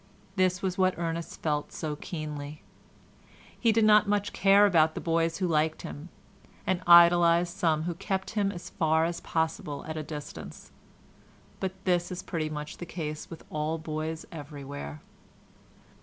This was what Ernest felt so keenly; he did not much care about the boys who liked him, and idolised some who kept him as far as possible at a distance, but this is pretty much the case with all boys everywhere.